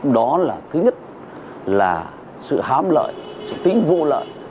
đó là thứ nhất là sự hám lợi sự tính vụ lợi